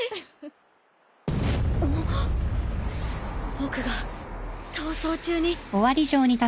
僕が逃走中に。